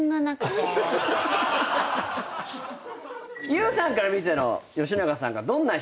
ＹＯＵさんから見ての吉永さんがどんな人？